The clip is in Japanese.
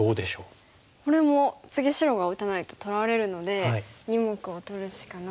これも次白が打たないと取られるので２目を取るしかなくて。